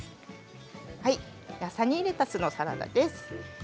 サニーレタスのサラダです。